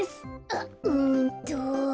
あっうんと。